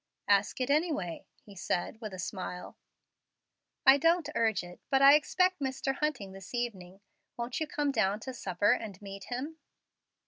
"Ask it, anyway," he said, with a smile. "I don't urge it, but I expect Mr. Hunting this evening. Won't you come down to supper and meet him?"